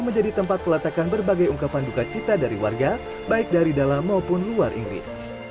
menjadi tempat peletakan berbagai ungkapan duka cita dari warga baik dari dalam maupun luar inggris